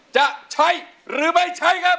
จะใช้หรือไม่ใช้ครับ